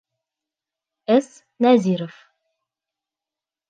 С. НӘЗИРОВ.